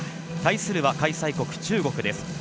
対するは開催国・中国です。